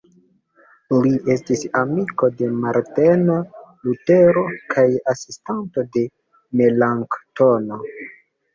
Li estis amiko de Marteno Lutero kaj asistanto de Melanktono.